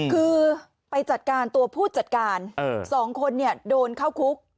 คือไปจัดการตัวผู้จัดการ๒คนโดนเข้าคุก